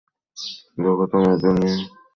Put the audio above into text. দেখো তো, মেয়েদের নিয়ে আমি কী করি!